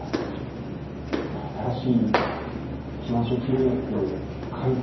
いや新しい肥満症治療薬の解説